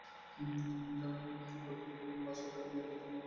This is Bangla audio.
গদিতে বসে থাকা মেয়েটি তীক্ষ্ণ গলায় বলল, এখানে এত কথা বলছেন কেন?